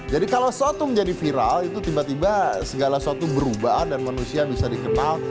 jadi kalau suatu menjadi viral itu tiba tiba segala suatu berubah dan manusia bisa dikenal